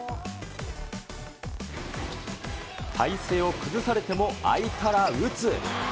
体勢を崩されても、空いたら打つ。